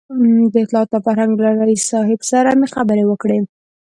د اطلاعاتو او فرهنګ له رییس صاحب سره مې خبرې وکړې.